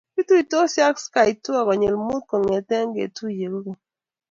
Kituitosi ago ski tour konyil Mut kongete ketunye kogeny